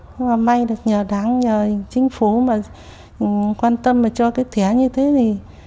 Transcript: nhưng mà may được nhờ đảng nhờ chính phủ mà quan tâm và cho cái thẻ như thế thì